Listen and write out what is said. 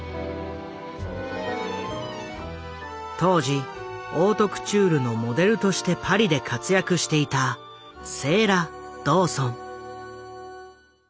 当時オートクチュールのモデルとしてパリで活躍していたセーラ・ドーソン。